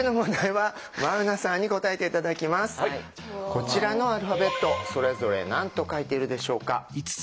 こちらのアルファベットそれぞれ何と書いているでしょうか？